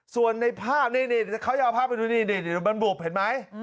ส่วนในภาพนี่เขาจะเอาภาพไปดูนี่มันบุบเห็นไหม